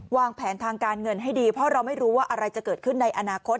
วางแผนทางการเงินให้ดีเพราะเราไม่รู้ว่าอะไรจะเกิดขึ้นในอนาคต